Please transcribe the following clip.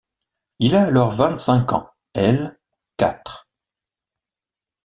Il a alors vingt-cinq ans, elle quatre.